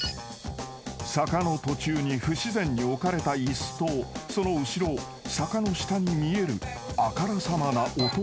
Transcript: ［坂の途中に不自然に置かれたイスとその後ろ坂の下に見えるあからさまな落とし穴］